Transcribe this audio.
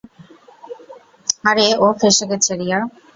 আরে ও ফেসে গেছে, রিয়া।